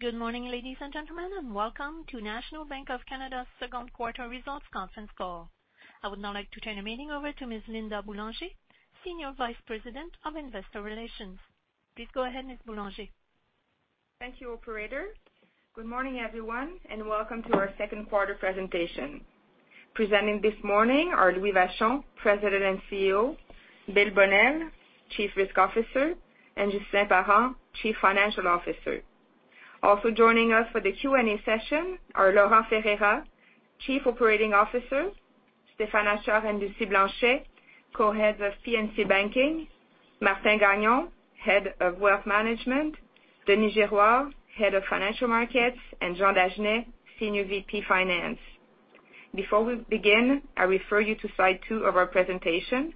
Good morning, ladies and gentlemen, and welcome to National Bank of Canada's second quarter results conference call. I would now like to turn the meeting over to Ms. Linda Boulanger, Senior Vice President of Investor Relations. Please go ahead, Ms. Boulanger. Thank you, operator. Good morning, everyone, and welcome to our second quarter presentation. Presenting this morning are Louis Vachon, President and CEO, Bill Bonnell, Chief Risk Officer, and Ghislain Parent, Chief Financial Officer. Also joining us for the Q&A session are Laurent Ferreira, Chief Operating Officer, Stéphane Achard and Lucie Blanchet, Co-Heads of P&C Banking, Martin Gagnon, Head of Wealth Management, Denis Girouard, Head of Financial Markets, and Jean Dagenais, Senior VP, Finance. Before we begin, I refer you to slide two of our presentation,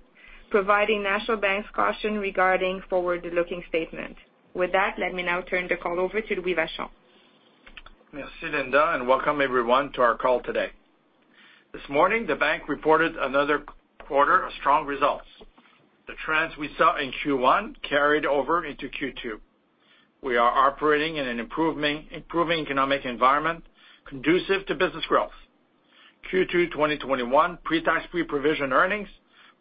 providing National Bank's caution regarding forward-looking statements. With that, let me now turn the call over to Louis Vachon. Merci, Linda, and welcome everyone to our call today. This morning, the bank reported another quarter of strong results. The trends we saw in Q1 carried over into Q2. We are operating in an improving economic environment conducive to business growth. Q2 2021 pre-tax, pre-provision earnings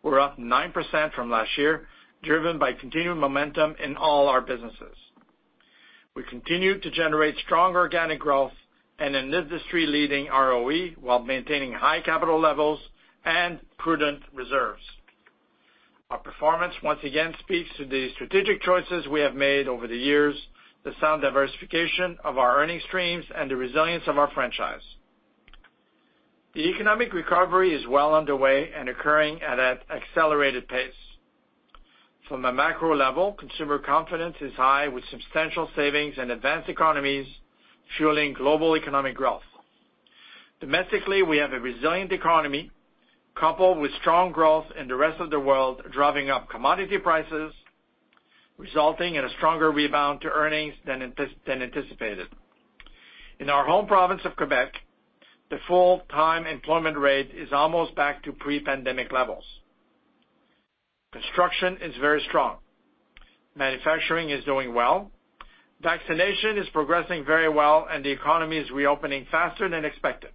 were up 9% from last year, driven by continued momentum in all our businesses. We continued to generate strong organic growth and an industry-leading ROE while maintaining high capital levels and prudent reserves. Our performance once again speaks to the strategic choices we have made over the years, the sound diversification of our earnings streams, and the resilience of our franchise. The economic recovery is well underway and occurring at an accelerated pace. From the macro level, consumer confidence is high with substantial savings in advanced economies fueling global economic growth. Domestically, we have a resilient economy, coupled with strong growth in the rest of the world, driving up commodity prices, resulting in a stronger rebound to earnings than anticipated. In our home province of Quebec, the full-time employment rate is almost back to pre-pandemic levels. Construction is very strong. Manufacturing is doing well. Vaccination is progressing very well. The economy is reopening faster than expected.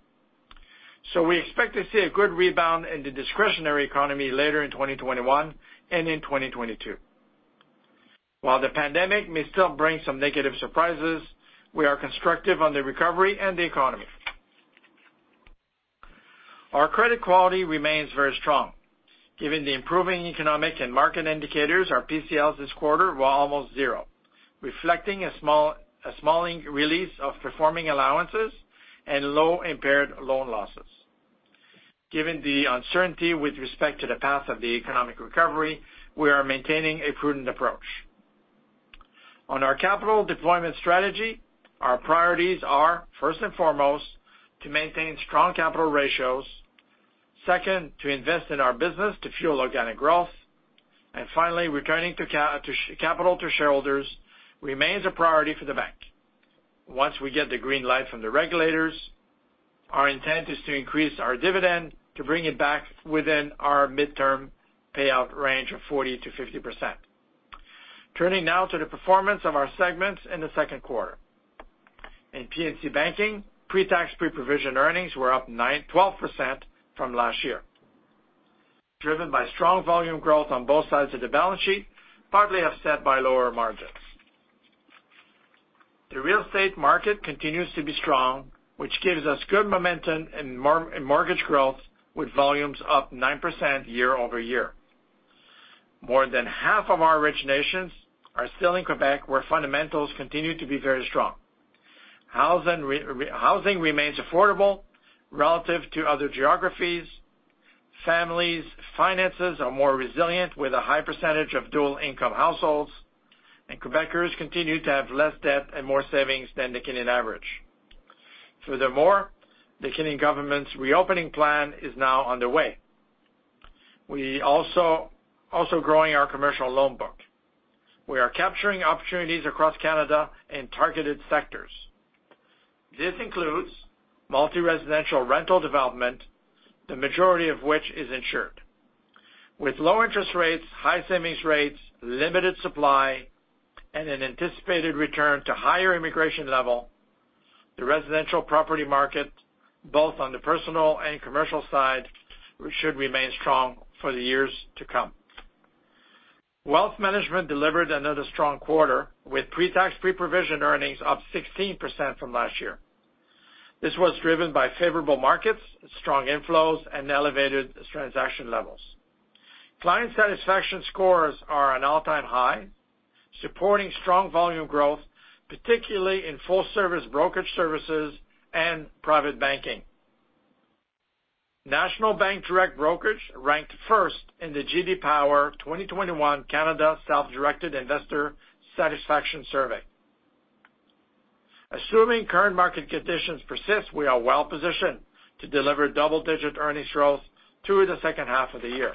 We expect to see a good rebound in the discretionary economy later in 2021 and in 2022. While the pandemic may still bring some negative surprises, we are constructive on the recovery and the economy. Our credit quality remains very strong. Given the improving economic and market indicators, our PCLs this quarter were almost zero, reflecting a small release of performing allowances and low impaired loan losses. Given the uncertainty with respect to the path of the economic recovery, we are maintaining a prudent approach. On our capital deployment strategy, our priorities are, first and foremost, to maintain strong capital ratios. Second, to invest in our business to fuel organic growth. Finally, returning capital to shareholders remains a priority for the bank. Once we get the green light from the regulators, our intent is to increase our dividend to bring it back within our midterm payout range of 40%-50%. Turning now to the performance of our segments in the second quarter. In P&C Banking, pre-tax, pre-provision earnings were up 12% from last year, driven by strong volume growth on both sides of the balance sheet, partly offset by lower margins. The real estate market continues to be strong, which gives us good momentum in mortgage growth, with volumes up 9% year-over-year. More than half of our originations are still in Quebec, where fundamentals continue to be very strong. Housing remains affordable relative to other geographies. Families' finances are more resilient with a high percentage of dual income households, and Quebecers continue to have less debt and more savings than the Canadian average. Furthermore, the Canadian government's reopening plan is now underway. We also growing our commercial loan book. We are capturing opportunities across Canada in targeted sectors. This includes multi-residential rental development, the majority of which is insured. With low interest rates, high savings rates, limited supply, and an anticipated return to higher immigration level, the residential property market, both on the personal and commercial side, should remain strong for the years to come. Wealth Management delivered another strong quarter, with pre-tax, pre-provision earnings up 16% from last year. This was driven by favorable markets, strong inflows, and elevated transaction levels. Client satisfaction scores are an all-time high, supporting strong volume growth, particularly in full-service brokerage services and private banking. National Bank Direct Brokerage ranked first in the JD Power 2021 Canada Self-Directed Investor Satisfaction Survey. Assuming current market conditions persist, we are well-positioned to deliver double-digit earnings growth through the second half of the year.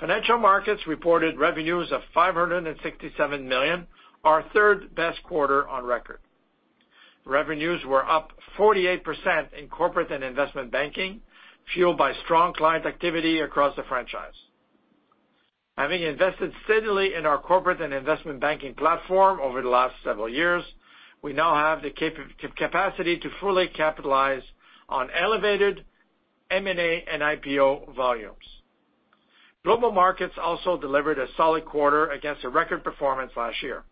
Financial Markets reported revenues of 567 million, our third-best quarter on record. Revenues were up 48% in corporate and investment banking, fueled by strong client activity across the franchise. Having invested steadily in our corporate and investment banking platform over the last several years, we now have the capacity to fully capitalize on elevated M&A and IPO volumes. Global markets also delivered a solid quarter against a record performance last year.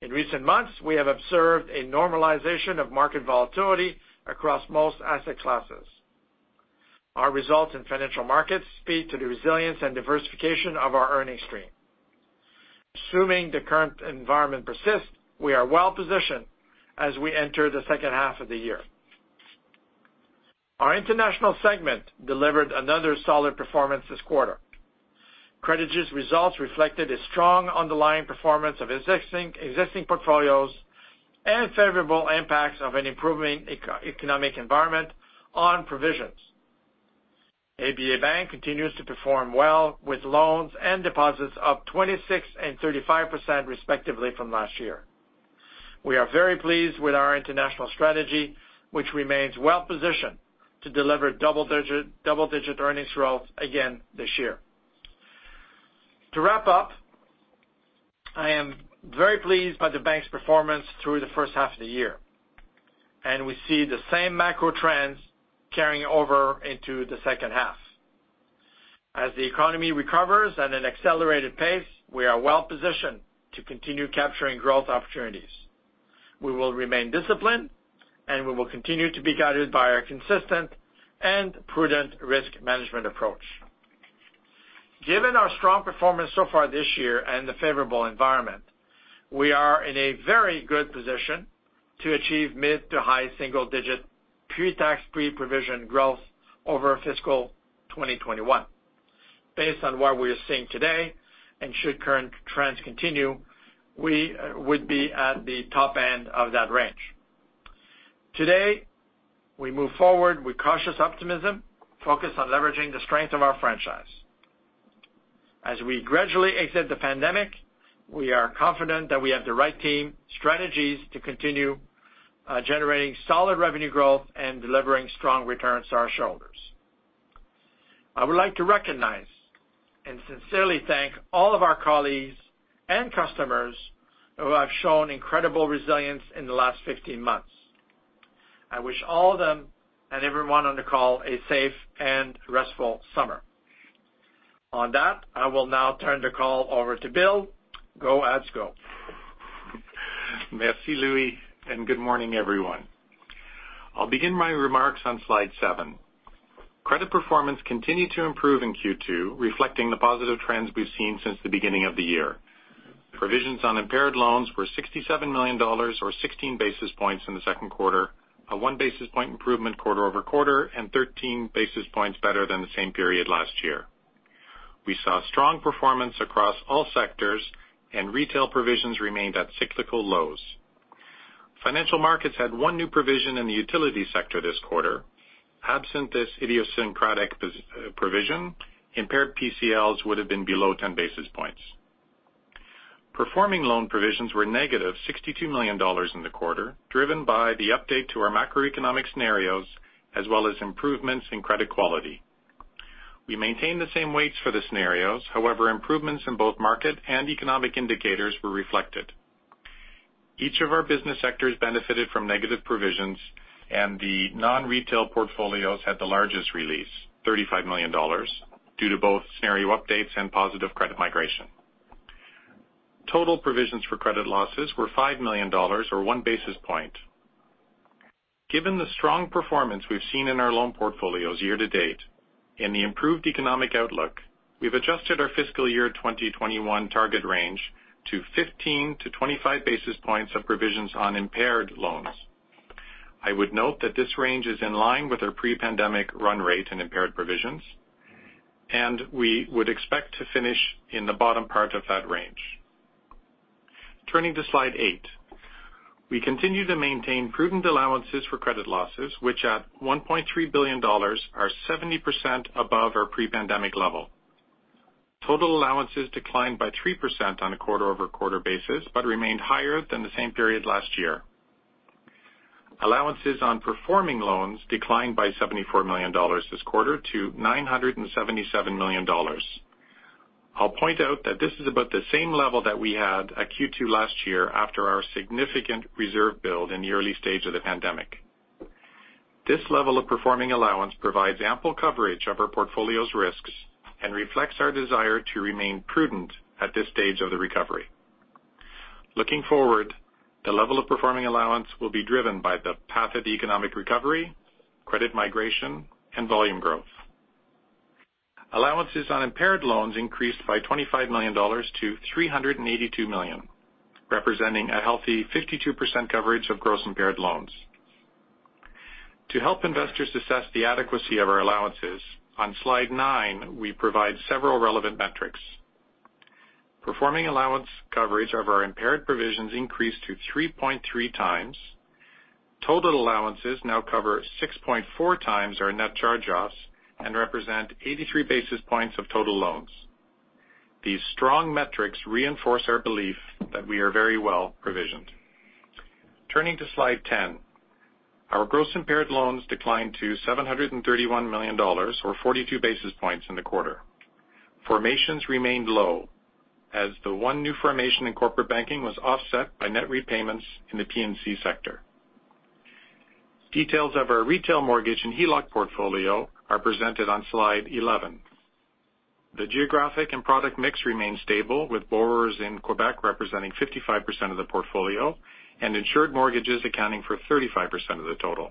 In recent months, we have observed a normalization of market volatility across most asset classes. Our results in Financial Markets speak to the resilience and diversification of our earnings stream. Assuming the current environment persists, we are well-positioned as we enter the second half of the year. Our international segment delivered another solid performance this quarter. Credigy results reflected a strong underlying performance of existing portfolios and favorable impacts of an improving economic environment on provisions. ABA Bank continues to perform well with loans and deposits up 26% and 35%, respectively, from last year. We are very pleased with our international strategy, which remains well-positioned to deliver double-digit earnings growth again this year. To wrap up, I am very pleased by the bank's performance through the first half of the year, and we see the same macro trends carrying over into the second half. As the economy recovers at an accelerated pace, we are well-positioned to continue capturing growth opportunities. We will remain disciplined, and we will continue to be guided by our consistent and prudent risk management approach. Given our strong performance so far this year and the favorable environment, we are in a very good position to achieve mid to high single-digit pre-tax, pre-provision growth over fiscal 2021. Based on what we are seeing today, and should current trends continue, we would be at the top end of that range. Today, we move forward with cautious optimism, focused on leveraging the strength of our franchise. As we gradually exit the pandemic, we are confident that we have the right team, strategies to continue generating solid revenue growth and delivering strong returns to our shareholders. I would like to recognize and sincerely thank all of our colleagues and customers who have shown incredible resilience in the last 15 months. I wish all of them and everyone on the call a safe and restful summer. On that, I will now turn the call over to Bill. Go ahead, Bill. Merci, Louis. Good morning, everyone. I'll begin my remarks on slide seven. Credit performance continued to improve in Q2, reflecting the positive trends we've seen since the beginning of the year. Provisions on impaired loans were 67 million dollars, or 16 basis points in the second quarter, a one basis point improvement quarter-over-quarter, and 13 basis points better than the same period last year. We saw strong performance across all sectors. Retail provisions remained at cyclical lows. Financial Markets had one new provision in the utility sector this quarter. Absent this idiosyncratic provision, impaired PCLs would have been below 10 basis points. Performing loan provisions were -62 million dollars in the quarter, driven by the update to our macroeconomic scenarios, as well as improvements in credit quality. We maintained the same weights for the scenarios, however, improvements in both market and economic indicators were reflected. Each of our business sectors benefited from negative provisions, and the non-retail portfolios had the largest release, 35 million dollars, due to both scenario updates and positive credit migration. Total provisions for credit losses were 5 million dollars, or one basis point. Given the strong performance we've seen in our loan portfolios year to date and the improved economic outlook, we've adjusted our fiscal year 2021 target range to 15 to 25 basis points of provisions on impaired loans. I would note that this range is in line with our pre-pandemic run rate and impaired provisions, and we would expect to finish in the bottom part of that range. Turning to slide eight. We continue to maintain prudent allowances for credit losses, which at 1.3 billion dollars, are 70% above our pre-pandemic level. Total allowances declined by 3% on a quarter-over-quarter basis, but remained higher than the same period last year. Allowances on performing loans declined by 74 million dollars this quarter to 977 million dollars. I'll point out that this is about the same level that we had at Q2 last year after our significant reserve build in the early stage of the pandemic. This level of performing allowance provides ample coverage of our portfolio's risks and reflects our desire to remain prudent at this stage of the recovery. Looking forward, the level of performing allowance will be driven by the path of economic recovery, credit migration, and volume growth. Allowances on impaired loans increased by 25 million-382 million dollars, representing a healthy 52% coverage of gross impaired loans. To help investors assess the adequacy of our allowances, on slide nine, we provide several relevant metrics. Performing allowance coverage of our impaired provisions increased to 3.3x. Total allowances now cover 6.4x our net charge-offs and represent 83 basis points of total loans. These strong metrics reinforce our belief that we are very well-provisioned. Turning to slide 10. Our gross impaired loans declined to 731 million dollars, or 42 basis points in the quarter. Formations remained low as the one new formation in corporate banking was offset by net repayments in the P&C sector. Details of our retail mortgage and HELOC portfolio are presented on slide 11. The geographic and product mix remains stable, with borrowers in Quebec representing 55% of the portfolio and insured mortgages accounting for 35% of the total.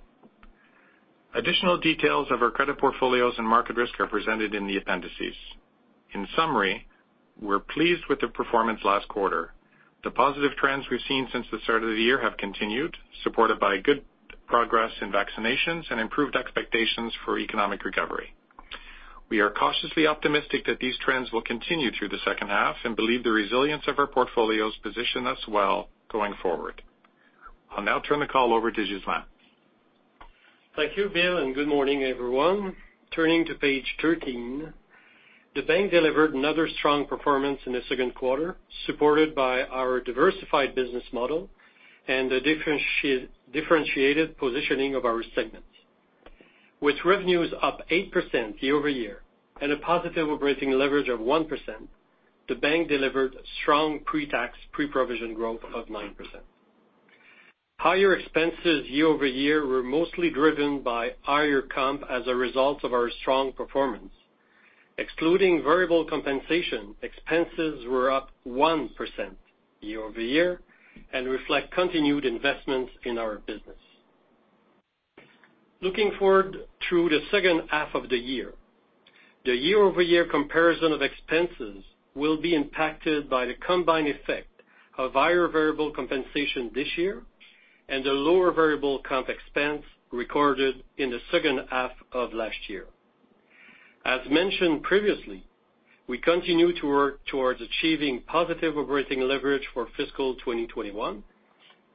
Additional details of our credit portfolios and market risk are presented in the appendices. In summary, we're pleased with the performance last quarter. The positive trends we've seen since the start of the year have continued, supported by good progress in vaccinations and improved expectations for economic recovery. We are cautiously optimistic that these trends will continue through the second half and believe the resilience of our portfolios position us well going forward. I'll now turn the call over to Ghislain. Thank you, Bill. Good morning, everyone. Turning to page 13. The bank delivered another strong performance in the second quarter, supported by our diversified business model and the differentiated positioning of our segments. With revenues up 8% year-over-year and a positive operating leverage of 1%, the bank delivered strong pre-tax, pre-provision growth of 9%. Higher expenses year-over-year were mostly driven by higher comp as a result of our strong performance. Excluding variable compensation, expenses were up 1% year-over-year and reflect continued investments in our business. Looking forward through the second half of the year, the year-over-year comparison of expenses will be impacted by the combined effect of higher variable compensation this year and the lower variable comp expense recorded in the second half of last year. As mentioned previously, we continue to work towards achieving positive operating leverage for fiscal 2021.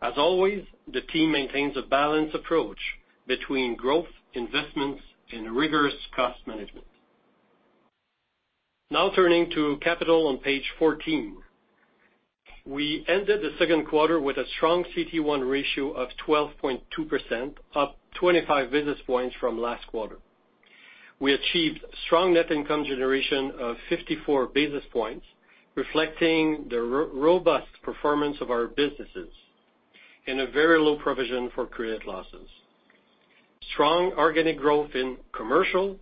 As always, the team maintains a balanced approach between growth, investments, and rigorous cost management. Now turning to capital on page 14. We ended the second quarter with a strong CET1 ratio of 12.2%, up 25 basis points from last quarter. We achieved strong net income generation of 54 basis points, reflecting the robust performance of our businesses and a very low provision for credit losses. Strong organic growth in commercial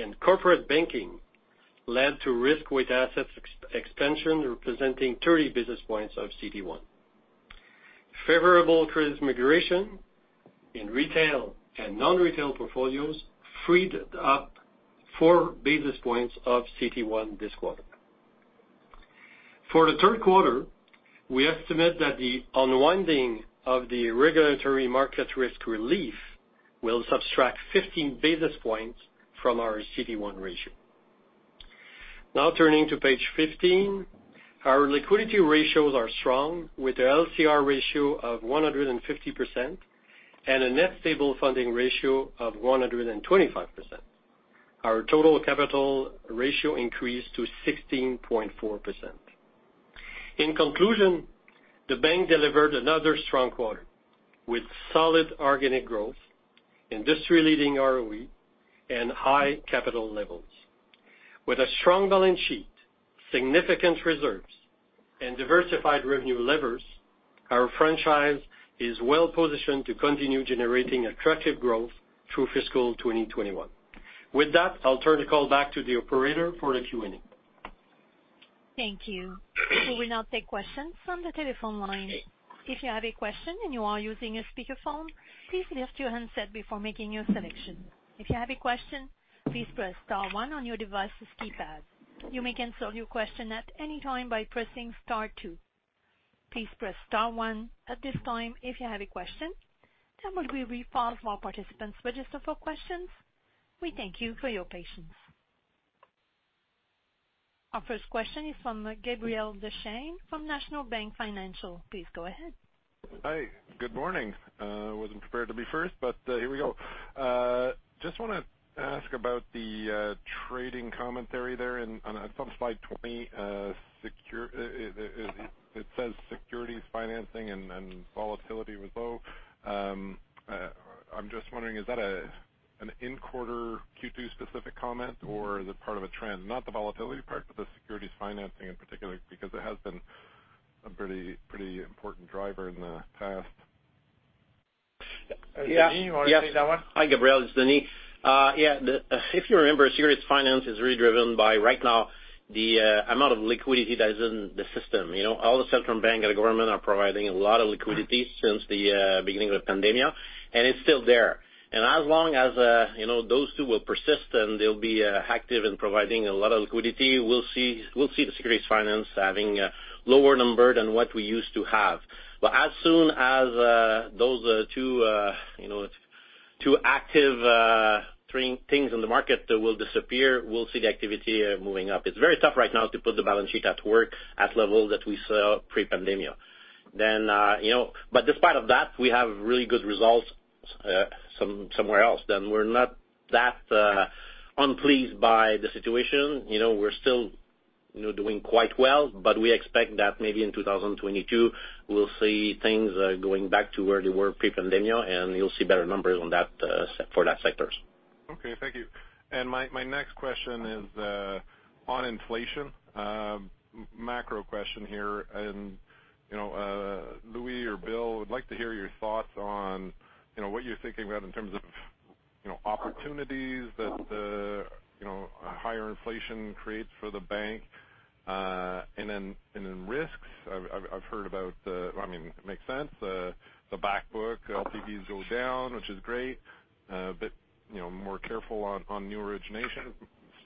and corporate banking led to risk-weighted assets expansion representing 30 basis points of CET1. Favorable migration in retail up 4 basis points of CET1 this quarter. For the third quarter, we estimate that the unwinding of the regulatory market risk relief will subtract 15 basis points from our CET1 ratio. Now turning to page 15. Our liquidity ratios are strong, with an LCR ratio of 150% and a net stable funding ratio of 125%. Our total capital ratio increased to 16.4%. In conclusion, the bank delivered another strong quarter with solid organic growth, industry-leading ROE, and high capital levels. With a strong balance sheet, significant reserves, and diversified revenue levers, our franchise is well-positioned to continue generating attractive growth through fiscal 2021. With that, I'll turn the call back to the operator for the Q&A. Thank you. We will now take questions from the telephone line. If you have a question and you are using a speakerphone, please mute your handset before making your selection. If you have a question, please press star one on your device's keypad. You may cancel your question at any time by pressing star two. Please press star one at this time if you have a question. There will be a brief pause while participants register for questions. We thank you for your patience. Our first question is from Gabriel Dechaine from National Bank Financial. Please go ahead. Hi. Good morning. I wasn't prepared to be first, but here we go. Just want to ask about the trading commentary there on slide 20. It says securities financing and volatility was low. I'm just wondering, is that an in-quarter Q2 specific comment, or is it part of a trend? Not the volatility part, but the securities financing in particular, because it has been a pretty important driver in the past. Yeah. Denis, you want to take that one? Hi, Gabriel. This is Denis. Yeah. If you remember, securities finance is really driven by, right now, the amount of liquidity that is in the system. All the central bank and government are providing a lot of liquidity since the beginning of the pandemic, and it's still there. As long as those two will persist and they'll be active in providing a lot of liquidity, we'll see securities finance having a lower number than what we used to have. As soon as those two active things in the market will disappear, we'll see the activity moving up. It's very tough right now to put the balance sheet to work at levels that we saw pre-pandemic. Despite of that, we have really good results. Somewhere else we're not that unpleased by the situation. We're still doing quite well, but we expect that maybe in 2022, we'll see things going back to where they were pre-pandemic, and you'll see better numbers for that sectors. Okay. Thank you. My next question is on inflation, macro question here, Louis or Bill, I would like to hear your thoughts on what you're thinking about in terms of opportunities that higher inflation creates for the bank, and in risks. I've heard about the I mean, it makes sense, the back book, LTVs go down, which is great. A bit more careful on new origination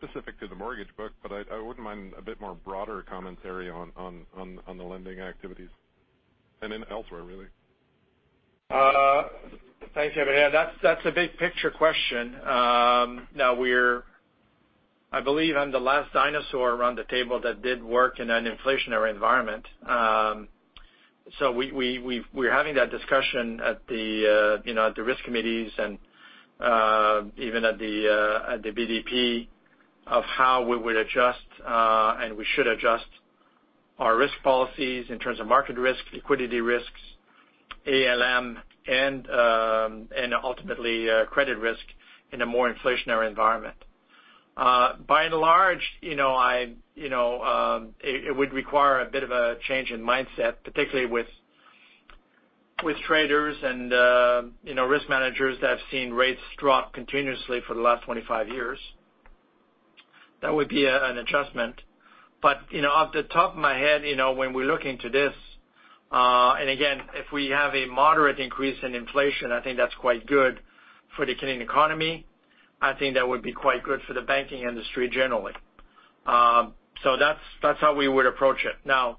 specific to the mortgage book, I wouldn't mind a bit more broader commentary on the lending activities and in elsewhere, really. Thanks, Gabriel Dechaine. That's a big picture question. We're, I believe, I'm the last dinosaur around the table that did work in an inflationary environment. We're having that discussion at the risk committees and even at the BDP of how we would adjust, and we should adjust our risk policies in terms of market risks, liquidity risks, ALM, and ultimately, credit risk in a more inflationary environment. By and large, it would require a bit of a change in mindset, particularly with traders and risk managers that have seen rates drop continuously for the last 25 years. That would be an adjustment. Off the top of my head, when we're looking to this, and again, if we have a moderate increase in inflation, I think that's quite good for the Canadian economy. I think that would be quite good for the banking industry generally. That's how we would approach it.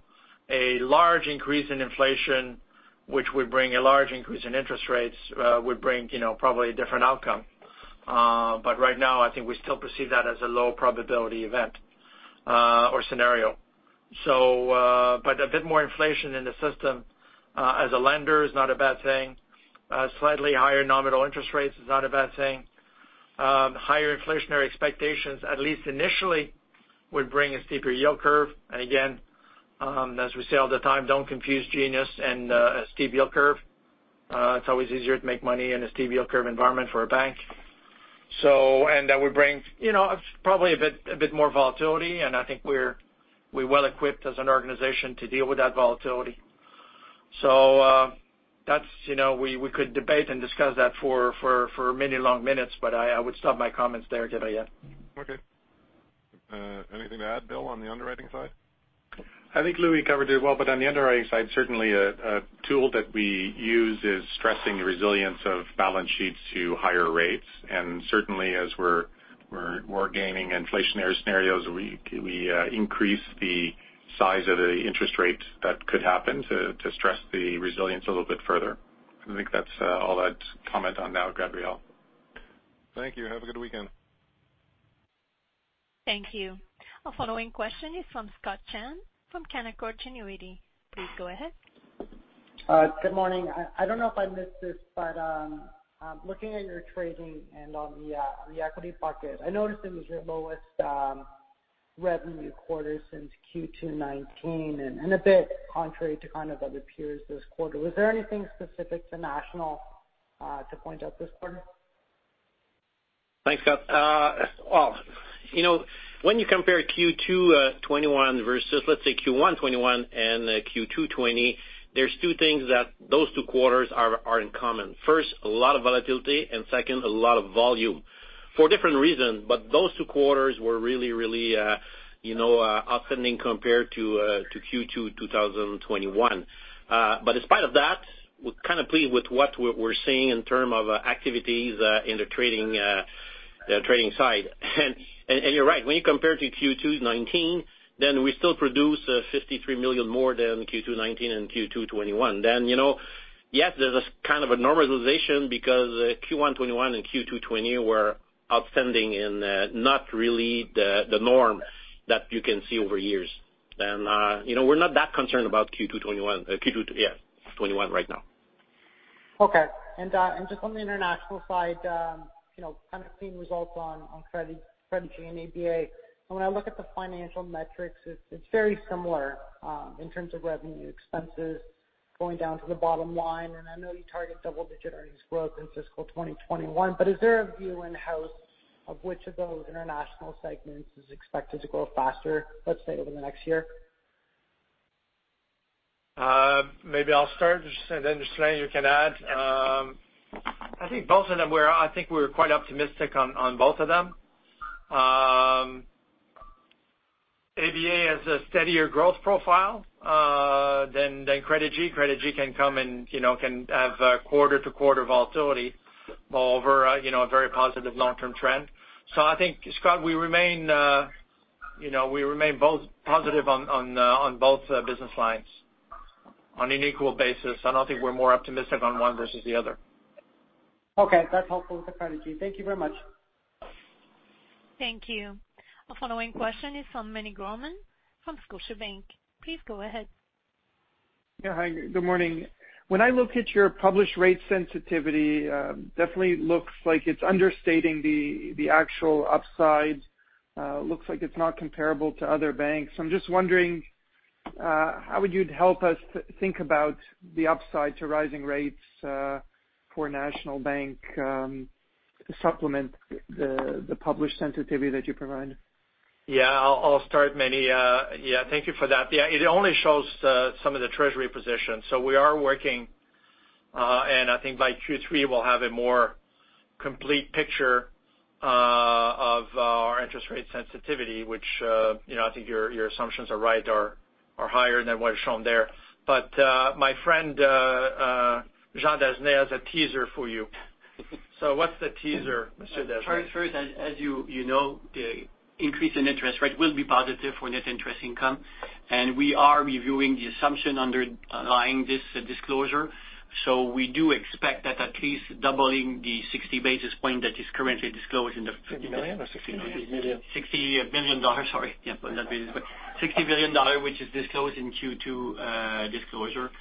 A large increase in inflation, which would bring a large increase in interest rates, would bring probably a different outcome. Right now, I think we still perceive that as a low probability event or scenario. A bit more inflation in the system, as a lender, is not a bad thing. Slightly higher nominal interest rates is not a bad thing. Higher inflationary expectations, at least initially, would bring a steeper yield curve. Again, as we say all the time, don't confuse genius and a steep yield curve. It's always easier to make money in a steep yield curve environment for a bank. That would bring probably a bit more volatility, and I think we're well equipped as an organization to deal with that volatility. We could debate and discuss that for many long minutes, but I would stop my comments there today, yeah. Okay. Anything to add, Bill, on the underwriting side? I think Louis covered it well. On the underwriting side, certainly a tool that we use is stressing the resilience of balance sheets to higher rates. Certainly as we're gaining inflationary scenarios, we increase the size of the interest rates that could happen to stress the resilience a little bit further. I think that's all I'd comment on now, Gabriel. Thank you. Have a good weekend. Thank you. Our following question is from Scott Chan from Canaccord Genuity. Please go ahead. Good morning. I don't know if I missed this, but looking at your trading and on the equity pocket, I noticed it was your lowest revenue quarter since Q2 2019, and a bit contrary to kind of other peers this quarter. Was there anything specific to National to point out this quarter? Thanks, Scott. When you compare Q2 2021 versus, let's say, Q1 2021 and Q2 2020, there's two things that those two quarters are in common. First, a lot of volatility, and second, a lot of volume for different reasons. Those two quarters were really upending compared to Q2 2021. In spite of that, we're kind of pleased with what we're seeing in terms of activities in the trading side. You're right, when you compare to Q2 2019, then we still produce 53 million more than Q2 2019 and Q2 2021. Yes, there's a kind of a normalization because Q1 2021 and Q2 2020 were upending and not really the norm that you can see over years. We're not that concerned about Q2 2021 right now. Okay. Just on the international side, kind of seeing results on Credigy and ABA Bank. When I look at the financial metrics, it's very similar in terms of revenue expenses going down to the bottom line, and I know you target double-digit earnings growth in fiscal 2021, but is there a view in-house of which of those international segments is expected to grow faster, let's say, over the next year? Maybe I'll start, and then Ghislain, you can add. I think we're quite optimistic on both of them. ABA has a steadier growth profile than Credigy. Credigy can have quarter-to-quarter volatility over a very positive long-term trend. I think, Scott, we remain both positive on both business lines on an equal basis. I don't think we're more optimistic on one versus the other. Okay. That's helpful for Credigy. Thank you very much. Thank you. Our following question is from Meny Grauman from Scotiabank. Please go ahead. Yeah, hi. Good morning. When I look at your published rate sensitivity, definitely looks like it's understating the actual upside. Looks like it's not comparable to other banks. I'm just wondering how would you help us think about the upside to rising rates for National Bank to supplement the published sensitivity that you provide? I'll start, Meny. Thank you for that. It only shows some of the treasury position. We are working, and I think by Q3 we'll have a more complete picture of our interest rate sensitivity, which I think your assumptions are right, are higher than what is shown there. My friend Jean Dagenais has a teaser for you. What's the teaser, Mr. Dagenais? Sorry for it. As you know, the increase in interest rate will be positive for net interest income, and we are reviewing the assumption underlying this disclosure. We do expect that at least doubling the 60 basis points that is currently disclosed in the. 60 million or 60 billion dollars? 60 billion dollars, sorry. Yeah, CAD 60 billion, which is disclosed in Q2 disclosure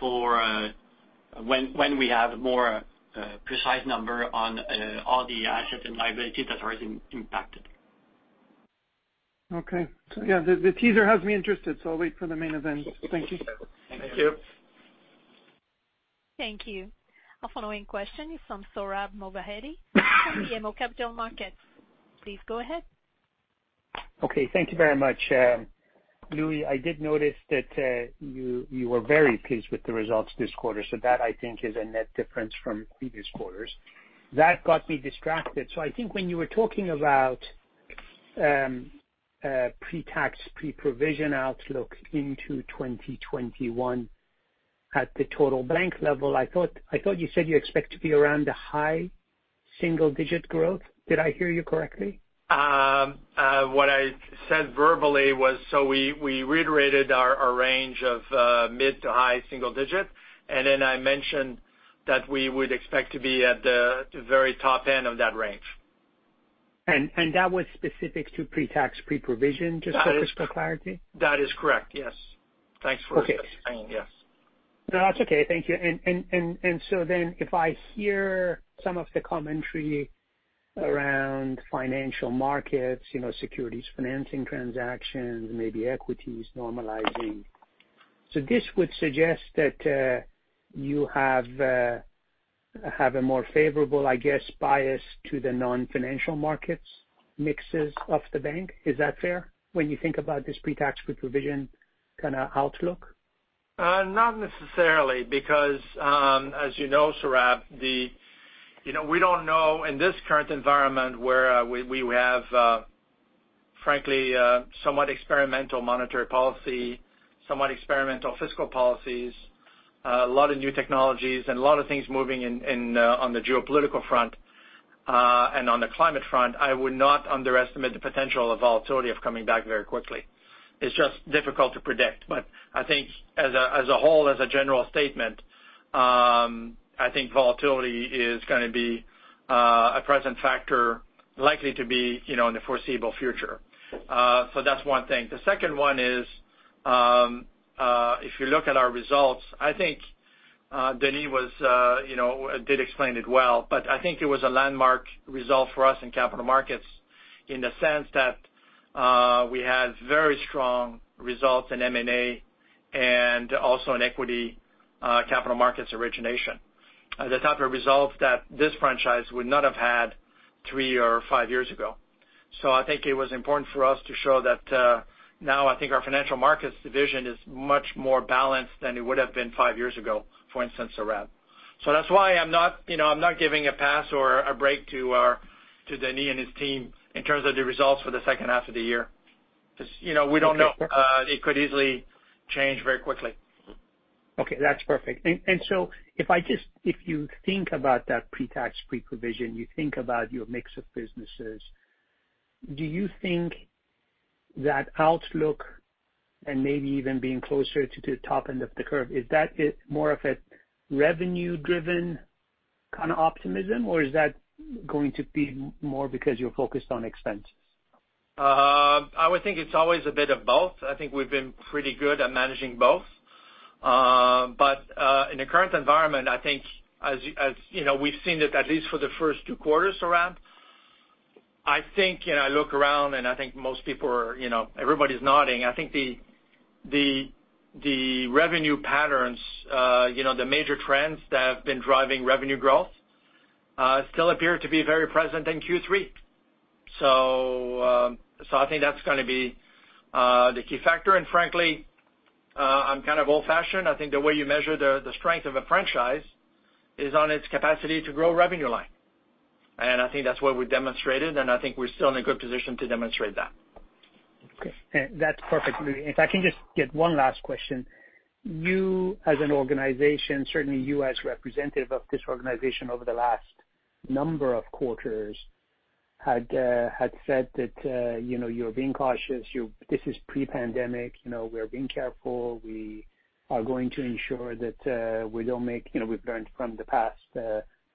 for when we have more precise number on all the assets and liabilities that are impacted. Okay. Yeah, the teaser has me interested, I'll wait for the main event. Thank you. Thank you. Thank you. Our following question is from Sohrab Movahedi from BMO Capital Markets. Please go ahead. Okay, thank you very much. Louis, I did notice that you were very pleased with the results this quarter. That, I think is a net difference from previous quarters. That got me distracted. I think when you were talking about pre-tax, pre-provision outlook into 2021 at the total bank level, I thought you said you expect to be around the high single-digit growth. Did I hear you correctly? What I said verbally was, so we reiterated our range of mid to high single digit, and then I mentioned that we would expect to be at the very top end of that range. That was specific to pre-tax, pre-provision, just for this proprietary? That is correct, yes. Thanks for asking. Yes. No, that's okay. Thank you. If I hear some of the commentary around Financial Markets, securities financing transactions, maybe equities normalizing. This would suggest that you have a more favorable, I guess, bias to the non-Financial Markets mixes of the bank. Is that fair when you think about this pre-tax, pre-provision kind of outlook? Not necessarily, because, as you know, Sohrab, we don't know in this current environment where we have frankly somewhat experimental monetary policy, somewhat experimental fiscal policies, a lot of new technologies and a lot of things moving on the geopolitical front, and on the climate front, I would not underestimate the potential of volatility of coming back very quickly. It's just difficult to predict. I think as a whole, as a general statement, I think volatility is going to be a present factor likely to be in the foreseeable future. That's one thing. The second one is, if you look at our results, I think Denis did explain it well, but I think it was a landmark result for us in Financial Markets in the sense that we had very strong results in M&A and also in equity capital markets origination. The type of results that this franchise would not have had three or five years ago. I think it was important for us to show that now I think our Financial Markets division is much more balanced than it would've been five years ago, for instance, Sohrab. That's why I'm not giving a pass or a break to Denis and his team in terms of the results for the second half of the year, because we don't know. It could easily change very quickly. Okay, that's perfect. If you think about that pre-tax, pre-provision, you think about your mix of businesses, do you think that outlook and maybe even being closer to the top end of the curve, is that more of a revenue-driven kind of optimism, or is that going to be more because you're focused on expense? I would think it's always a bit of both. I think we've been pretty good at managing both. In the current environment, I think as we've seen it, at least for the first two quarters around, I think I look around and I think most people are everybody's nodding. I think the revenue patterns, the major trends that have been driving revenue growth still appear to be very present in Q3. I think that's going to be the key factor, and frankly, I'm kind of old-fashioned. I think the way you measure the strength of a franchise is on its capacity to grow revenue line. I think that's what we've demonstrated, and I think we're still in a good position to demonstrate that. Okay, that's perfect, Louis. If I can just get one last question. You as an organization, certainly you as representative of this organization over the last number of quarters had said that you're being cautious. This is pre-pandemic. We're being careful. We are going to ensure that we've learned from the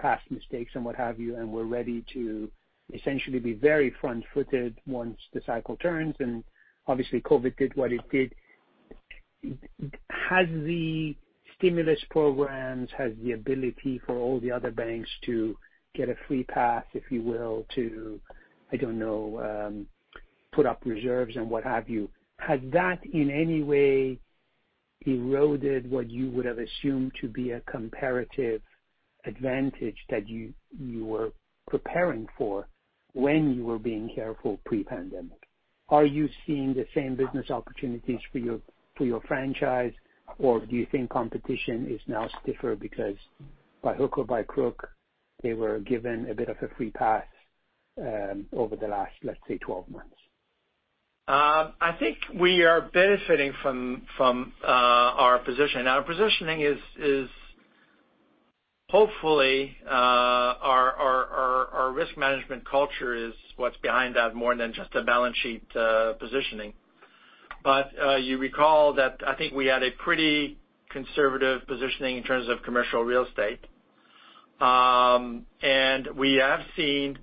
past mistakes and what have you, and we're ready to essentially be very front-footed once the cycle turns, and obviously COVID did what it did. Has the stimulus programs, has the ability for all the other banks to get a free pass, if you will, to, I don't know, put up reserves and what have you. Has that in any way eroded what you would've assumed to be a comparative advantage that you were preparing for when you were being careful pre-pandemic? Are you seeing the same business opportunities for your franchise, or do you think competition is now stiffer because by hook or by crook, they were given a bit of a free pass over the last, let's say, 12 months? I think we are benefiting from our position. Our positioning is hopefully our risk management culture is what's behind that more than just a balance sheet positioning. You recall that I think we had a pretty conservative positioning in terms of commercial real estate. We have seen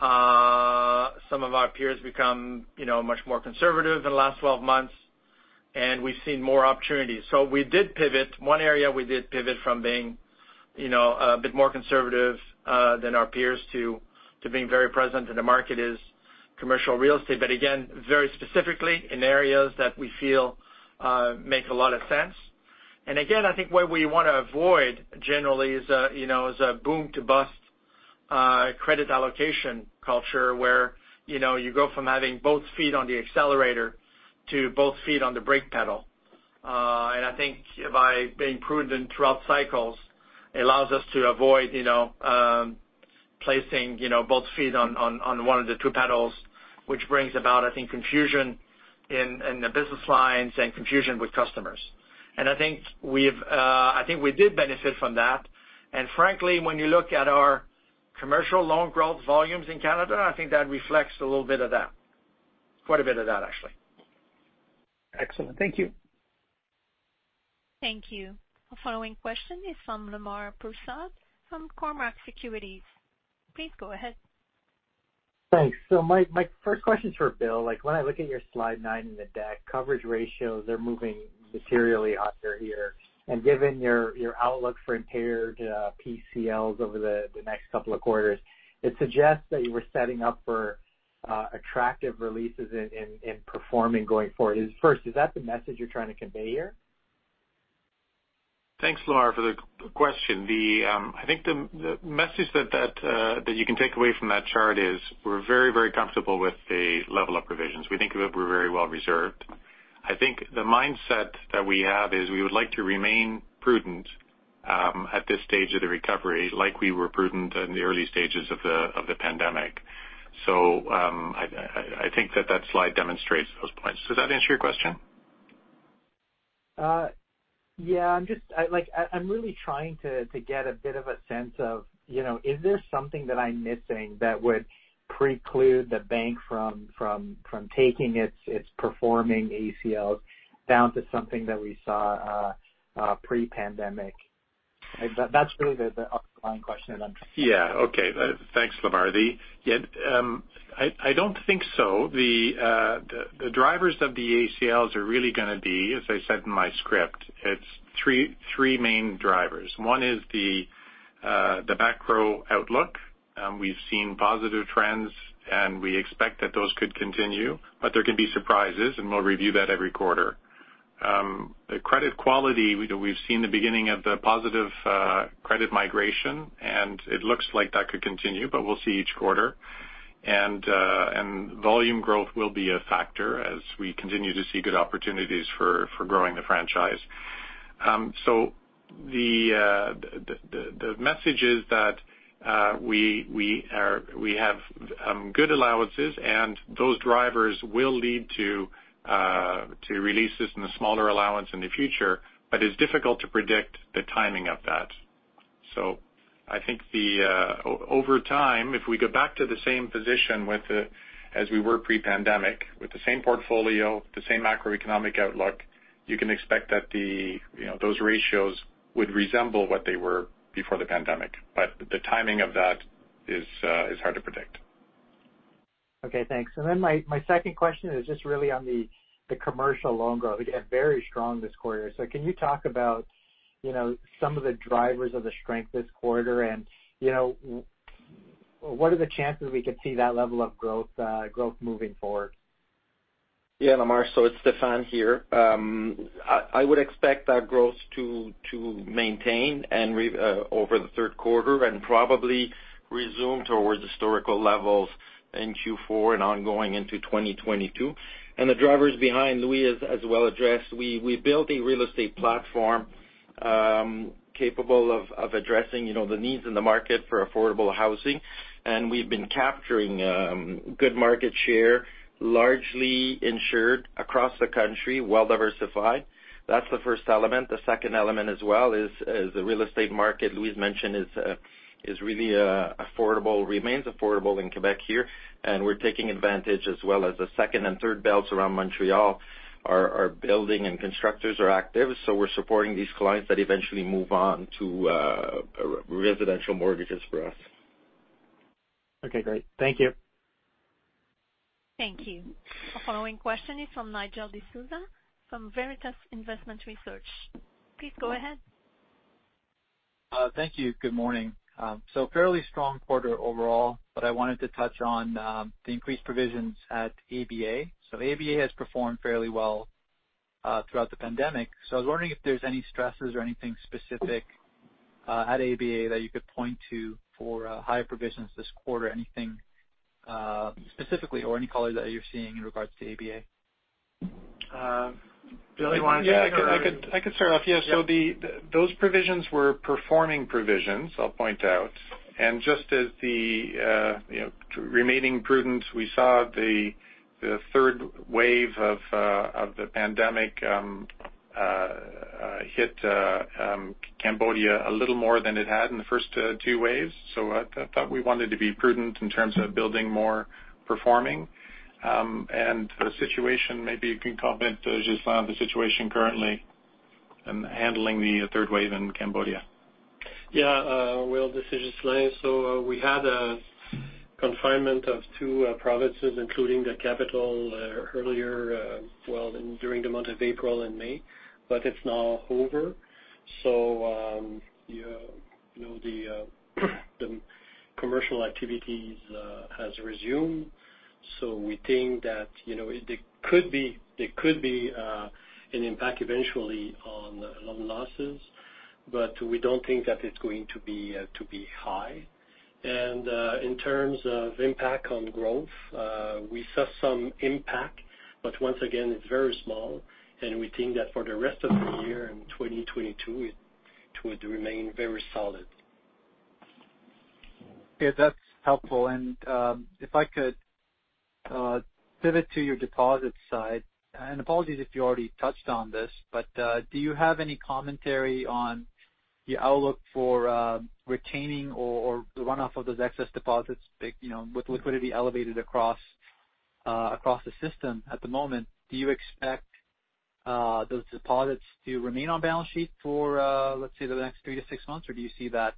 some of our peers become much more conservative in the last 12 months, and we've seen more opportunities. We did pivot. One area we did pivot from being a bit more conservative than our peers to being very present in the market is commercial real estate. Again, very specifically in areas that we feel make a lot of sense. Again, I think what we want to avoid generally is a boom to bust credit allocation culture where you go from having both feet on the accelerator to both feet on the brake pedal. I think by being prudent throughout cycles, it allows us to avoid placing both feet on one of the two pedals, which brings about, I think, confusion in the business lines and confusion with customers. I think we did benefit from that. Frankly, when you look at our commercial loan growth volumes in Canada, I think that reflects a little bit of that. Quite a bit of that, actually. Excellent. Thank you. Thank you. The following question is from Lemar Persaud, from Cormark Securities. Please go ahead. Thanks. My first question is for Bill. When I look at your slide nine in the deck, coverage ratios are moving materially out there here, and given your outlook for impaired PCLs over the next couple of quarters, it suggests that you were setting up for attractive releases in performing going forward. First, is that the message you're trying to convey here? Thanks, Lemar, for the question. I think the message that you can take away from that chart is we're very, very comfortable with the level of provisions. We think that we're very well reserved. I think the mindset that we have is we would like to remain prudent at this stage of the recovery, like we were prudent in the early stages of the pandemic. I think that that slide demonstrates those points. Does that answer your question? Yeah. I'm really trying to get a bit of a sense of, is there something that I'm missing that would preclude the bank from taking its performing ACLs down to something that we saw pre-pandemic? That's really the underlying question that I'm asking. Yeah. Okay. Thanks, Lemar. I don't think so. The drivers of the ACLs are really going to be, as I said in my script, it's three main drivers. One is the macro outlook, and we've seen positive trends, and we expect that those could continue, but there could be surprises, and we'll review that every quarter. The credit quality, we've seen the beginning of the positive credit migration, and it looks like that could continue, but we'll see each quarter. Volume growth will be a factor as we continue to see good opportunities for growing the franchise. The message is that we have good allowances, and those drivers will lead to releases in the smaller allowance in the future, but it's difficult to predict the timing of that. I think over time, if we go back to the same position as we were pre-pandemic with the same portfolio, the same macroeconomic outlook, you can expect that those ratios would resemble what they were before the pandemic. The timing of that is hard to predict. Okay, thanks. My second question is just really on the commercial loan growth. Very strong this quarter. Can you talk about some of the drivers of the strength this quarter, and what are the chances we could see that level of growth moving forward? Yeah, Lemar. It's Stéphane here. I would expect that growth to maintain over the third quarter and probably resume towards historical levels in Q4 and ongoing into 2022. The drivers behind, as well addressed, we built a real estate platform capable of addressing the needs in the market for affordable housing. We've been capturing good market share, largely insured across the country, well-diversified. That's the first element. The second element as well is the real estate market Louis mentioned is really affordable, remains affordable in Quebec here, and we're taking advantage as well as the second and third belts around Montreal are building, and constructors are active. We're supporting these clients that eventually move on to residential mortgages for us. Okay, great. Thank you. Thank you. The following question is from Nigel D'Souza from Veritas Investment Research. Please go ahead. Thank you. Good morning. Fairly strong quarter overall, but I wanted to touch on the increased provisions at ABA. ABA has performed fairly well throughout the pandemic. I was wondering if there's any stresses or anything specific at ABA that you could point to for high provisions this quarter, anything specifically or any color that you're seeing in regards to ABA. Bill, you want to start? Yeah, I can start off. Yeah, so those provisions were performing provisions, I'll point out. Just as the remaining prudence we saw the third wave of the pandemic hit Cambodia a little more than it had in the first two waves. I thought we wanted to be prudent in terms of building more performing. The situation, maybe you can comment, Ghislain, on the situation currently and handling the third wave in Cambodia. Yeah. Well, this is Ghislain. We had a confinement of two provinces, including the capital earlier, well, during the month of April and May, but it's now over. The commercial activities has resumed. We think that it could be an impact eventually on losses, but we don't think that it's going to be high. In terms of impact on growth, we saw some impact, but once again, it's very small, and we think that for the rest of the year in 2022, it would remain very solid. Okay. That's helpful. If I could pivot to your deposit side, and apologies if you already touched on this, but do you have any commentary on the outlook for retaining or runoff of those excess deposits? With liquidity elevated across the system at the moment, do you expect those deposits to remain on balance sheet for, let's say, the next three to six months, or do you see that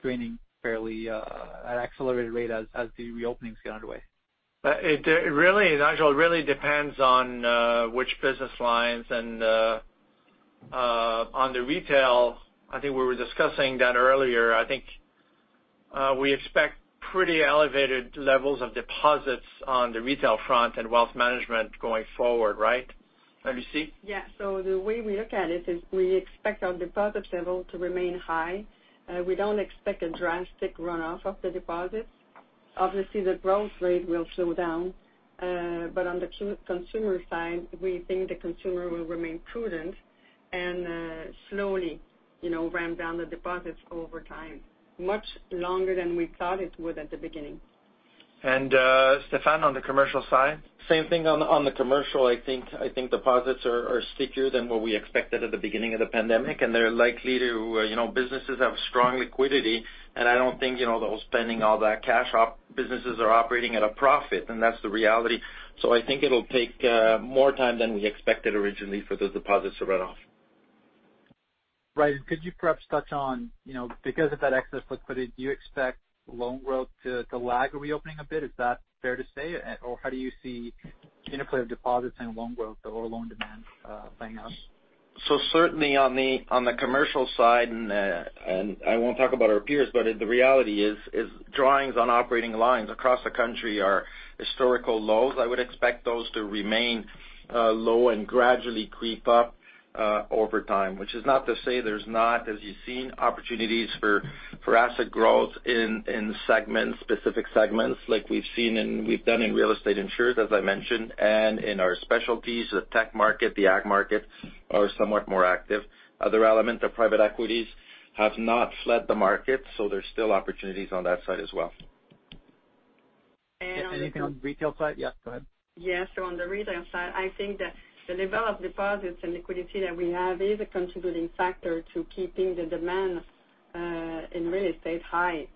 draining fairly at an accelerated rate as the reopenings go underway? It actually really depends on which business lines and on the retail, I think we were discussing that earlier. I think we expect pretty elevated levels of deposits on the retail front and Wealth Management going forward, right? Lucie? Yeah. The way we look at it is we expect our deposit level to remain high. We don't expect a drastic runoff of the deposits. Obviously, the growth rate will slow down. On the consumer side, we think the consumer will remain prudent and slowly ramp down the deposits over time, much longer than we thought it would at the beginning. Stéphane, on the commercial side? Same thing on the commercial. I think deposits are stickier than what we expected at the beginning of the pandemic, businesses have strong liquidity, I don't think they're spending all that cash. Businesses are operating at a profit, that's the reality. I think it'll take more time than we expected originally for the deposits to run off. Right. Could you perhaps touch on, because of that excess liquidity, do you expect loan growth to lag reopening a bit? Is that fair to say? How do you see interplay of deposits and loan growth or loan demand playing out? Certainly on the commercial side, and I won't talk about our peers, but the reality is drawings on operating lines across the country are historical lows. I would expect those to remain low and gradually creep up over time, which is not to say there's not, as you've seen, opportunities for asset growth in segments, specific segments like we've done in real estate insurance, as I mentioned, and in our specialties, the tech market, the ag market are somewhat more active. Other elements of private equities have not fled the market, so there's still opportunities on that side as well. Anything on the retail side? Yeah, go ahead. Yeah. On the retail side, I think that the level of deposits and liquidity that we have is a contributing factor to keeping the demand in real estate high.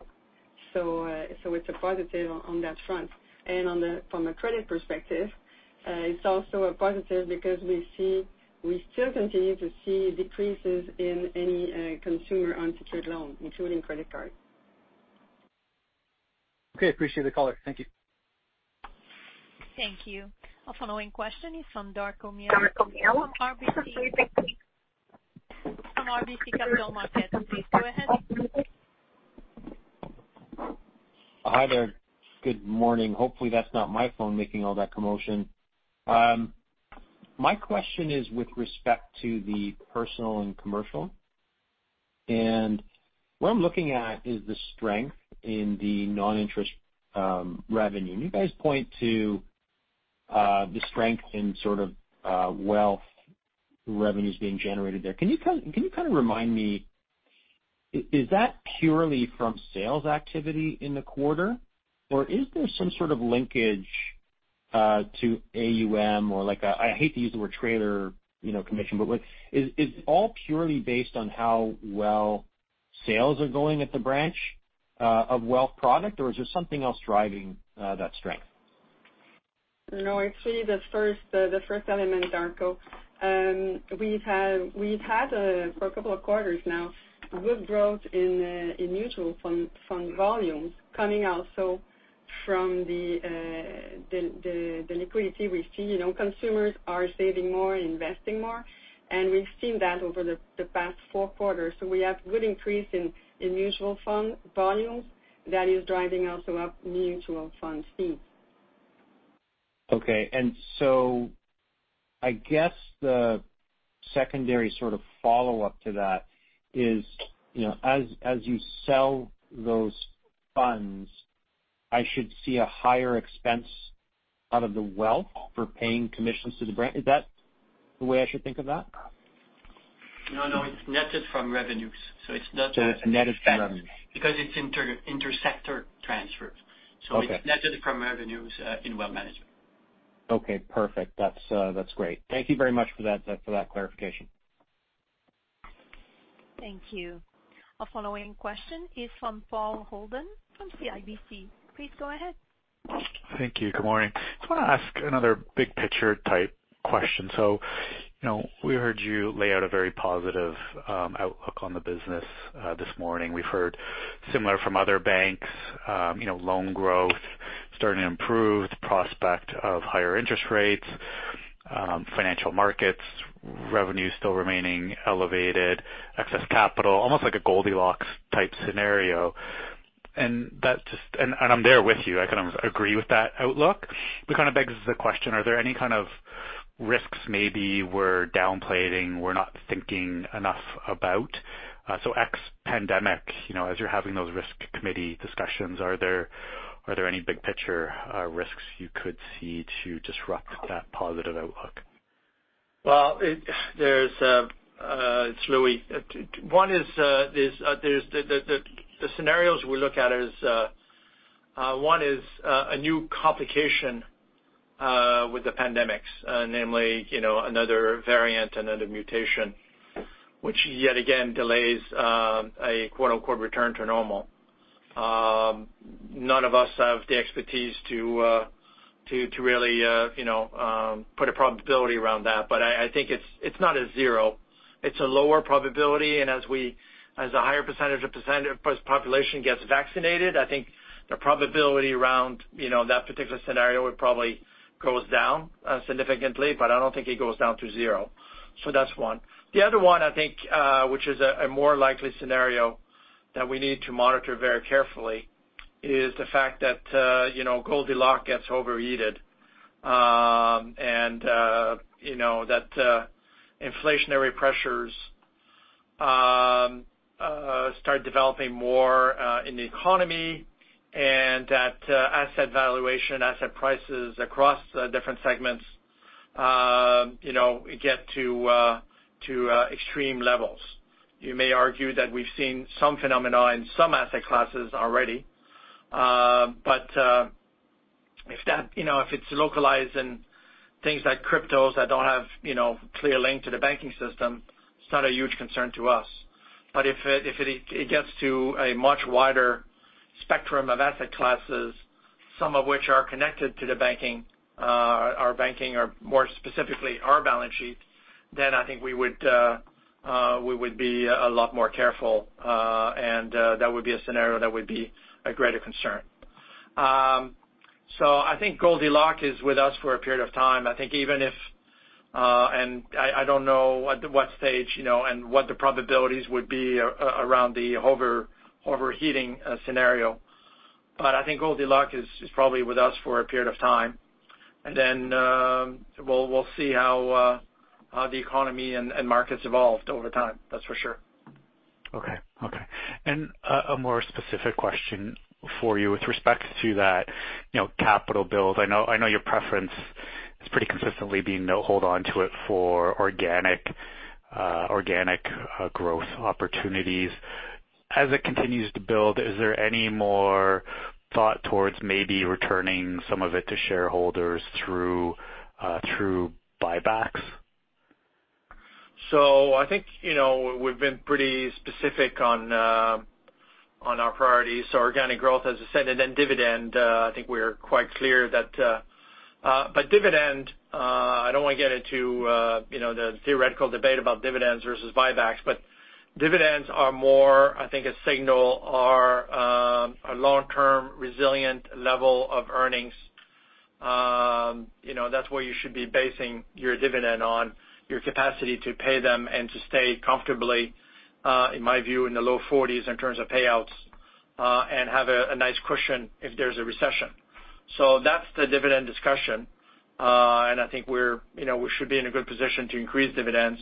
It's a positive on that front. From a credit perspective, it's also a positive because we still continue to see decreases in any consumer unsecured loans, including credit cards. Okay. Appreciate the color. Thank you. Thank you. Our following question is from Darko Mihelic at RBC. Please go ahead. Hi there. Good morning. Hopefully, that's not my phone making all that commotion. My question is with respect to the Personal and Commercial. What I'm looking at is the strength in the non-interest revenue. You guys point to the strength in sort of wealth revenues being generated there. Can you kind of remind me, is that purely from sales activity in the quarter, or is there some sort of linkage to AUM, or I hate to use the word trailer, you know, commission, but is it all purely based on how well sales are going at the branch of wealth product, or is there something else driving that strength? No, actually the first element, Darko, we've had for a couple of quarters now a good growth in mutual fund volumes coming also from the liquidity we see. Consumers are saving more, investing more, and we've seen that over the past four quarters. We have good increase in mutual fund volumes that is driving also up mutual funds fees. Okay. I guess the secondary sort of follow-up to that is, as you sell those funds, I should see a higher expense out of the wealth for paying commissions to the Bank. Is that the way I should think of that? No, it's netted from revenues. So netted from. It's inter-sector transfers. Okay. It's netted from revenues in Wealth Management. Okay, perfect. That's great. Thank you very much for that clarification. Thank you. Our following question is from Paul Holden from CIBC. Please go ahead. Thank you. Good morning. Just want to ask another big picture type question. We heard you lay out a very positive outlook on the business this morning. We've heard similar from other banks. Loan growth starting to improve, the prospect of higher interest rates, Financial Markets revenue still remaining elevated, excess capital, almost like a Goldilocks type scenario. I'm there with you. I agree with that outlook. It kind of begs the question, are there any kind of risks maybe we're downplaying, we're not thinking enough about? Ex pandemic, as you're having those risk committee discussions, are there any big picture risks you could see to disrupt that positive outlook? Well, the scenarios we look at is, one is a new complication with the pandemics, namely another variant, another mutation, which yet again delays a quote-unquote return to normal. None of us have the expertise to really put a probability around that. I think it's not a zero. It's a lower probability, and as a higher percentage of the population gets vaccinated, I think the probability around that particular scenario would probably goes down significantly, but I don't think it goes down to zero. That's one. The other one, I think, which is a more likely scenario that we need to monitor very carefully, is the fact that Goldilocks gets overheated. That inflationary pressures start developing more in the economy and that asset valuation, asset prices across the different segments get to extreme levels. You may argue that we've seen some phenomena in some asset classes already. If it's localized in things like cryptos that don't have clear link to the banking system, it's not a huge concern to us. If it gets to a much wider spectrum of asset classes, some of which are connected to the banking, our banking, or more specifically our balance sheet, I think we would be a lot more careful. That would be a scenario that would be a greater concern. I think Goldilocks is with us for a period of time. I think even if, and I don't know at what stage, and what the probabilities would be around the overheating scenario. I think Goldilocks is probably with us for a period of time. We'll see how the economy and markets evolve over time, that's for sure. Okay. A more specific question for you with respect to that capital build. I know your preference has pretty consistently been to hold onto it for organic growth opportunities. As it continues to build, is there any more thought towards maybe returning some of it to shareholders through buybacks? I think we've been pretty specific on our priorities. Organic growth, as I said, and then dividend, I think we are quite clear that dividend, I don't want to get into the theoretical debate about dividends versus buybacks, but dividends are more, I think, a signal our long-term resilient level of earnings. That's what you should be basing your dividend on, your capacity to pay them and to stay comfortably, in my view, in the low 40s in terms of payouts, and have a nice cushion if there's a recession. That's the dividend discussion. I think we should be in a good position to increase dividends,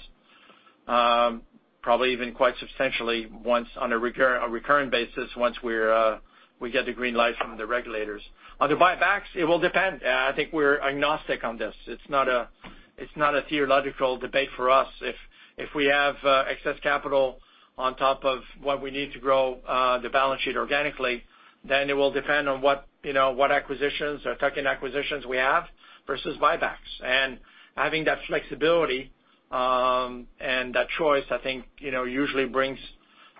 probably even quite substantially on a recurring basis once we get the green light from the regulators. On the buybacks, it will depend. I think we're agnostic on this. It's not a theological debate for us. If we have excess capital on top of what we need to grow the balance sheet organically, it will depend on what acquisitions, effective acquisitions we have versus buybacks. Having that flexibility, and that choice, I think usually brings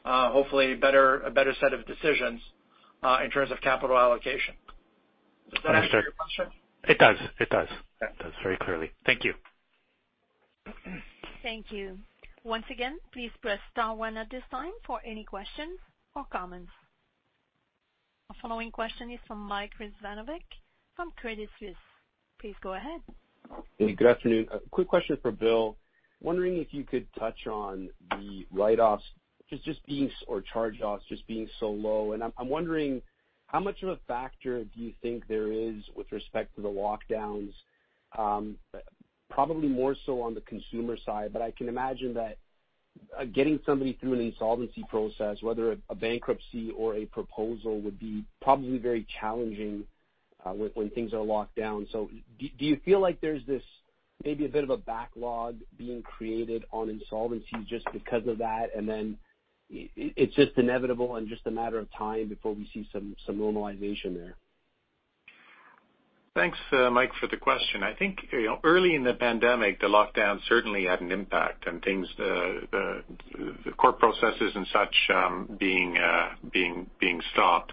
Hopefully a better set of decisions in terms of capital allocation. Does that answer your question? It does. It does. Very clearly. Thank you. Thank you. Once again, please press star one at this time for any questions or comments. The following question is from Mike Rizvanovic from Credit Suisse. Please go ahead. Thank you. Good afternoon. A quick question for Bill. Wondering if you could touch on the write-offs or charge-offs just being so low, and I'm wondering how much of a factor do you think there is with respect to the lockdowns? Probably more so on the consumer side, but I can imagine that getting somebody through an insolvency process, whether a bankruptcy or a proposal, would be probably very challenging when things are locked down. Do you feel like there's this maybe a bit of a backlog being created on insolvencies just because of that, and then it's just inevitable and just a matter of time before we see some normalization there? Thanks, Mike, for the question. I think early in the pandemic, the lockdowns certainly had an impact on things, the court processes and such being stopped.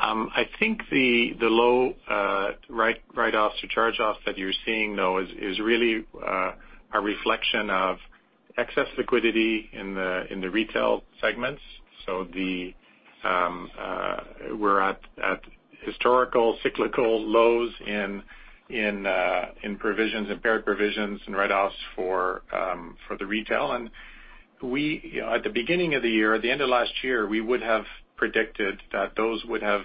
I think the low write-offs or charge-offs that you're seeing, though, is really a reflection of excess liquidity in the retail segments. We're at historical cyclical lows in impaired provisions and write-offs for the retail. At the beginning of the year, the end of last year, we would have predicted that those would have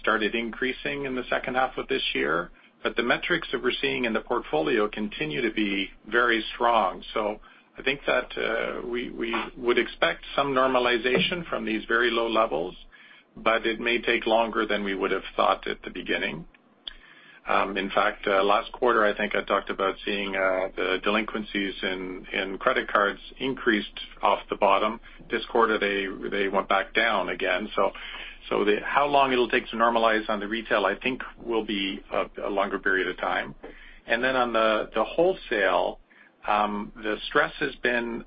started increasing in the second half of this year. The metrics that we're seeing in the portfolio continue to be very strong. I think that we would expect some normalization from these very low levels, but it may take longer than we would have thought at the beginning. In fact, last quarter, I think I talked about seeing the delinquencies in credit cards increased off the bottom. This quarter, they went back down again. How long it'll take to normalize on the retail, I think will be a longer period of time. On the wholesale, the stress has been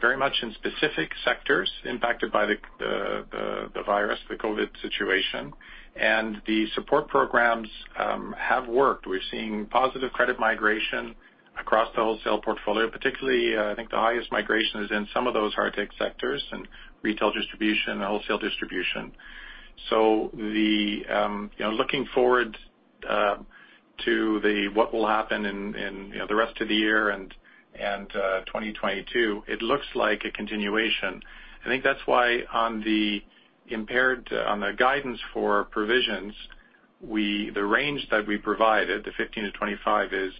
very much in specific sectors impacted by the virus, the COVID situation, and the support programs have worked. We're seeing positive credit migration across the wholesale portfolio, particularly I think the highest migration is in some of those hard hit sectors in retail distribution and wholesale distribution. Looking forward to what will happen in the rest of the year and 2022, it looks like a continuation. I think that's why on the impaired, on the guidance for provisions, the range that we provided, the 15-25, is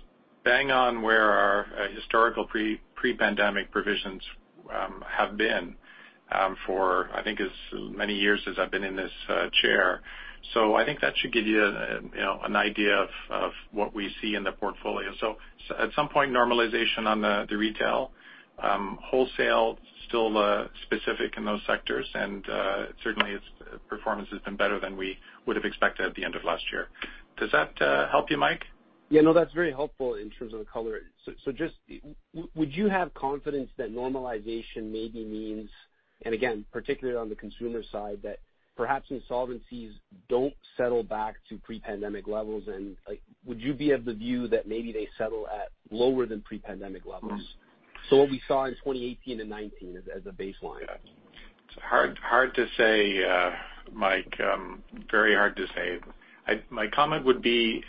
bang on where our historical pre-pandemic provisions have been for I think as many years as I've been in this chair. I think that should give you an idea of what we see in the portfolio. At some point, normalization on the retail. Wholesale, still specific in those sectors, and certainly its performance has been better than we would have expected at the end of last year. Does that help you, Mike? Yeah, no, that's very helpful in terms of color. Just would you have confidence that normalization maybe means, and again, particularly on the consumer side, that perhaps insolvencies don't settle back to pre-pandemic levels, and would you be of the view that maybe they settle at lower than pre-pandemic levels? What we saw in 2018 and 2019 as a baseline. It's hard to say, Mike. Very hard to say. My comment would be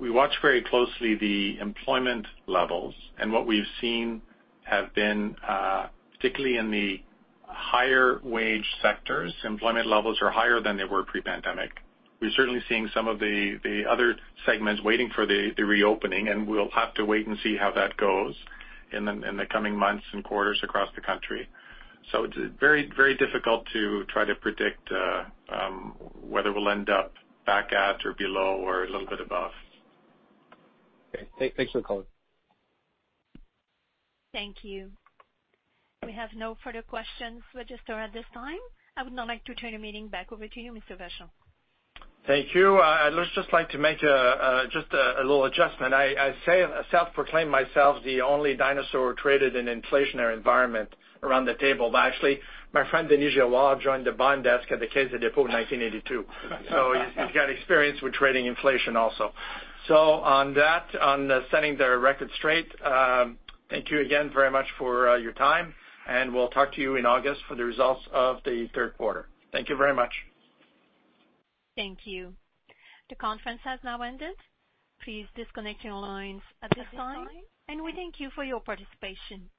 we watch very closely the employment levels and what we've seen have been, particularly in the higher wage sectors, employment levels are higher than they were pre-pandemic. We're certainly seeing some of the other segments waiting for the reopening, and we'll have to wait and see how that goes in the coming months and quarters across the country. It's very difficult to try to predict whether we'll end up back at or below or a little bit above. Okay. Thanks for the color. Thank you. We have no further questions registered at this time. I would now like to turn the meeting back over to you, Mr. Vachon. Thank you. I'd just like to make just a little adjustment. I self-proclaimed myself the only dinosaur who traded in inflationary environment around the table, but actually my friend Denis Girouard joined the bond desk at the Caisse de dépôt in 1982. He's got experience with trading inflation also. On that, on setting the record straight, thank you again very much for your time, and we'll talk to you in August for the results of the third quarter. Thank you very much. Thank you. The conference has now ended. Please disconnect your lines at this time, and we thank you for your participation.